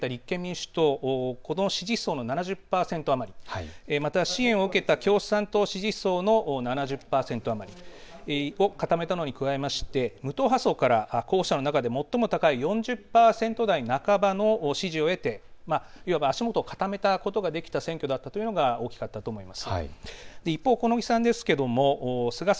出口調査を見ますと山中さんは推薦を受けた立憲民主党この支持層の７０％余りまた支援を受けた共産党支持層の７０％余り固めたのに加えまして無党派層から候補者の中で最も高い４０％台半ばの支持を得ていわば足元を固めたことができた選挙だったということが大きかったと思います。